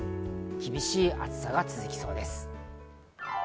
厳しい暑さが続きそうです。